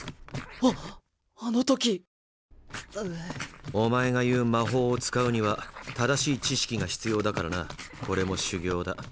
あっあの時お前が言う「魔法」を使うには正しい知識が必要だからなこれも修業だ。